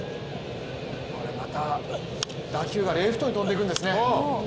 また打球はレフトに飛んでいくんですね。